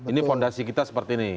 ini fondasi kita seperti ini